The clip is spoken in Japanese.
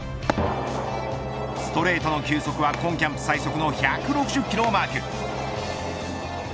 ストレートの球速は今キャンプ最速の１６０キロをマーク。